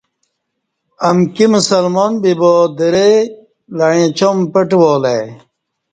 امکی مسلمان بیبا درئ لعیں چام پٹہ والہ ای